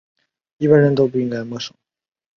一般人应该都不陌生